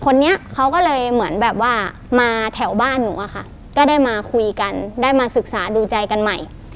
คนนี้เขาก็เลยเหมือนแบบว่ามาแถวบ้านหนูอะค่ะก็ได้มาคุยกันได้มาศึกษาดูใจกันใหม่